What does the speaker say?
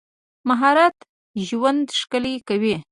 مهارت ژوند ښکلی کوي.